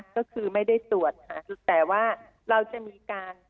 ก็คือไม่ได้ตรวจค่ะแต่ว่าเราจะมีการ